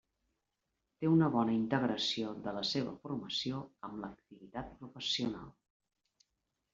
Té una bona integració de la seva formació amb l'activitat professional.